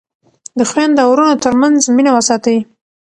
د خویندو او وروڼو ترمنځ مینه وساتئ.